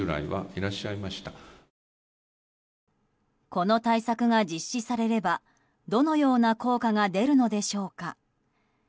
この対策が実施されればどのような効果が出るのでしょうか。